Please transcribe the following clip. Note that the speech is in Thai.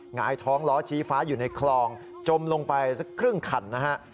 หงายท้องล้อชี้ฟ้าอยู่ในคลองจมลงไปสักครึ่งคันนะฮะ